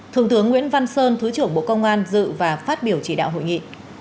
thường thướng nguyễn văn sơn thứ trưởng bộ công an dự và phát biểu chỉ đạo hội nghị